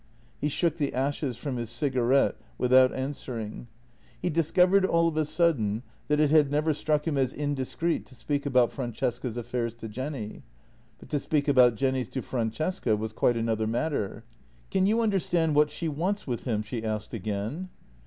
He shook the ashes from his cigarette without answering. He discovered all of a sudden that it had never struck him as in discreet to speak about Francesca's affairs to Jenny. But to speak about Jenny's to Francesca was quite another matter. " Can you understand what she wants with him? " she asked again.